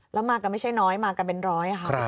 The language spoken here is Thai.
แล้วมากันไม่ใช่น้อยมากันเป็นร้อยค่ะ